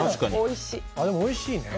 おいしいね。